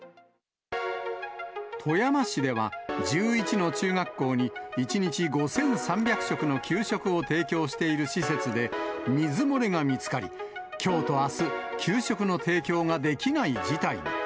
富山市では、１１の中学校に１日５３００食の給食を提供している施設で、水漏れが見つかり、きょうとあす、給食の提供ができない事態に。